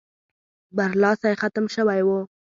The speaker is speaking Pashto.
برلاسی ختم شوی وو.